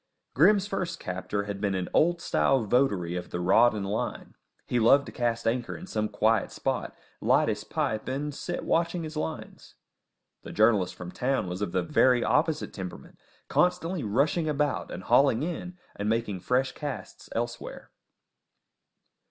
Grim's first captor had been an old style votary of the rod and line; he loved to cast anchor in some quiet spot, light his pipe, and sit watching his lines. The journalist from town was of the very opposite temperament, constantly rushing about and hauling in and making fresh casts elsewhere.